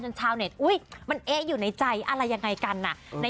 ชาวเน็ตอุ๊ยมันเอ๊ะอยู่ในใจอะไรยังไงกันน่ะ